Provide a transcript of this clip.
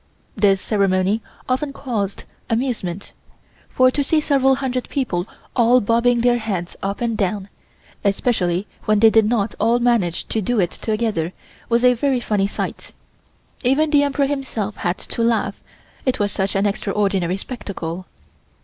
This ceremony very often caused amusement, for to see several hundred people all bobbing their heads up and down, especially when they did not all manage to do it together, was a very funny sight. Even the Emperor himself had to laugh, it was such an extraordinary spectacle.